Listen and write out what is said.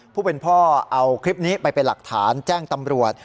ผู้เป็นพ่อเอาคลิปนี้ไปเป็นหลักฐานแจ้งตำรวจ